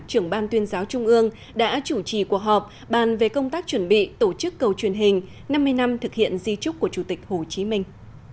trưởng ban tuyên giáo trung ương đã chủ trì cuộc họp bàn về công tác chuẩn bị tổ chức cầu truyền hình năm mươi năm thực hiện di trúc của chủ tịch hồ chí minh